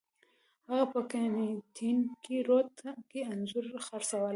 هغه په کینینګټن روډ کې انځورونه خرڅول.